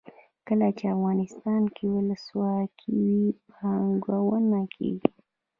کله چې افغانستان کې ولسواکي وي پانګونه کیږي.